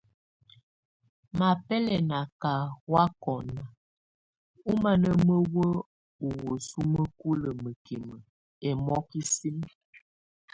Mabɛlɛna ka huwakɔna ɔmana məwə́ə ɔ wəsu məkulə məkimə ɛmɔkisim.